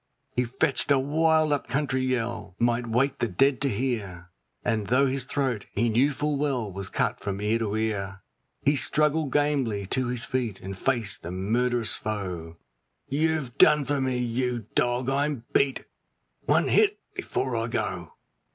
He fetched a wild up country yell might wake the dead to hear, And though his throat, he knew full well, was cut from ear to ear, He struggled gamely to his feet, and faced the murd'rous foe: 'You've done for me! you dog, I'm beat! one hit before I go!